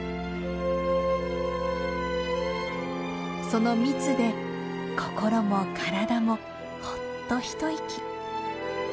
その蜜で心も体もほっと一息。